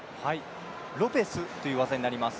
ロペスという技になります。